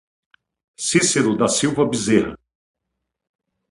Cicero da Silva Bezerra